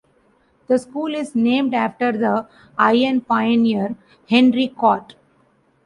The school is named after the iron pioneer, Henry Cort.